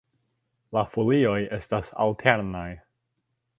La folioj estas alternaj.